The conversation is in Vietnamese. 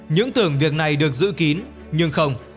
những tưởng việc này được giữ kín nhưng không